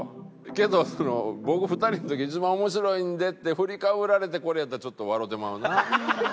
けど「僕２人の時一番面白いんで」って振りかぶられてこれやったらちょっと笑うてまうな。